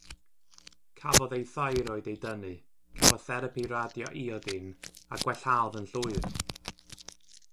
Cafodd ei thyroid ei dynnu, cafodd therapi radioiodin, a gwellhaodd yn llwyr.